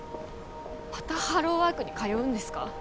またハローワークに通うんですか？